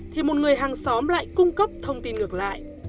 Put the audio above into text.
thì một người hàng xóm lại cung cấp thông tin ngược lại